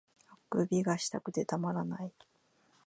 欠伸がしたくてたまらない